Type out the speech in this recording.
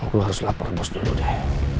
aku harus lapar bos dulu deh